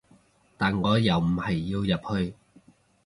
但我又唔係要入去